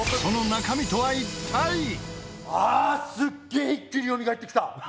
すげえ一気によみがえってきた！